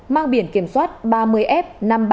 mang biển kiểm soát ba mươi f năm nghìn ba trăm bảy mươi hai